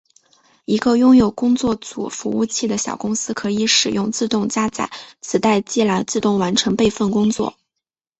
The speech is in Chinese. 一个拥有工作组服务器的小公司可以使用自动加载磁带机来自动完成备份工作。